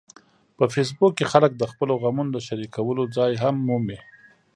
په فېسبوک کې خلک د خپلو غمونو د شریکولو ځای هم مومي